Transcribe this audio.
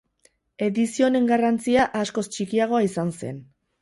Edizio honen garrantzia askoz txikiagoa izan zen.